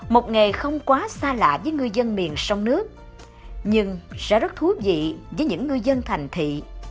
một nghề không quá xa lạ với ngư dân miền sông nước nhưng sẽ rất thú vị với những ngư dân thành thị